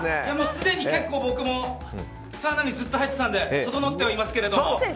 すでに結構、僕もサウナにずっと入っていたのでととのってはいますけれども。